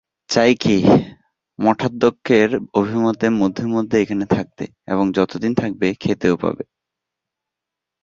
চাই কি, মঠাধ্যক্ষের অভিমতে মধ্যে মধ্যে এখানে থাকতে এবং যতদিন থাকবে খেতেও পাবে।